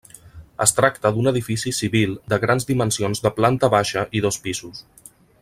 Es tracta d'un edifici civil de grans dimensions de planta baixa i dos pisos.